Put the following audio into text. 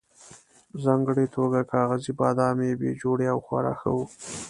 په ځانګړې توګه کاغذي بادام یې بې جوړې او خورا ښه وو.